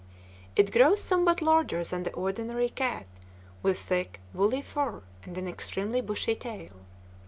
It grows somewhat larger than the ordinary cat, with thick, woolly fur and an extremely bushy tail.